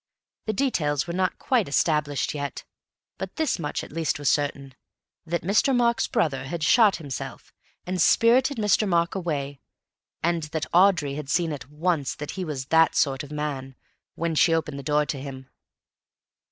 The details were not quite established yet, but this much at least was certain: that Mr. Mark's brother had shot himself and spirited Mr. Mark away, and that Audrey had seen at once that he was that sort of man when she opened the door to him.